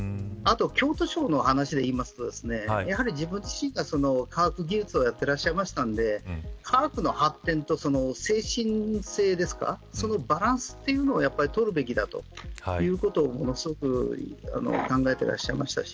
京都賞の話でいいますと自分自身が科学技術をやっていましたので科学の発展と精神性のバランスというのをとるべきだということをものすごく考えていらっしゃいました。